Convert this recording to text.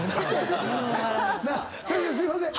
先生すいません。